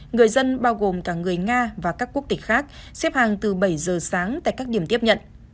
người dân bao gồm cả người nga và các quốc tịch khác xếp hàng từ bảy giờ sáng tại các điểm tiếp nhận